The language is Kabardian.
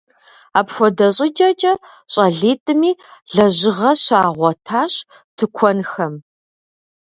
Апхуэдэ щӏыкӏэкӏэ щӏалитӏми лэжьыгъэ щагъуэтащ тыкуэнхэм.